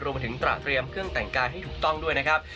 มาถึงตระเตรียมเครื่องแต่งกายให้ถูกต้องด้วยนะครับ